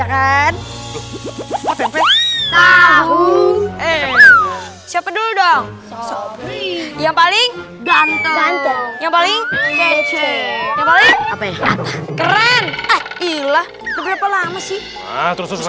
tahu siapa dulu dong yang paling